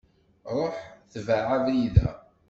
Ruḥ tbeε abrid-a.